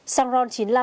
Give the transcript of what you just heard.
xăng ron chín mươi năm